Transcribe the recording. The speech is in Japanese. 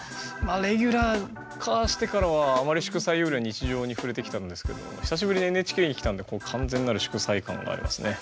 レギュラー化してからはあまり祝祭よりは日常に触れてきたんですけど久しぶりにＮＨＫに来たんで完全なる祝祭感がありますね。